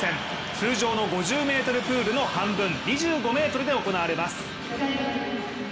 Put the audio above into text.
通常の５０ｍプールの半分２５ｍで行われます。